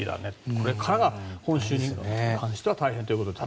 これからが本州に関しては大変ということです。